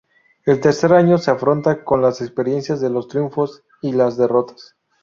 El tercer año se afronta con las experiencias de los triunfos y las derrotas.